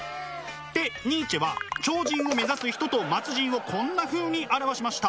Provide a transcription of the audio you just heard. でニーチェは超人を目指す人と末人をこんなふうに表しました。